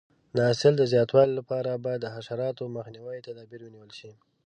د حاصل د زیاتوالي لپاره باید د حشراتو مخنیوي تدابیر ونیول شي.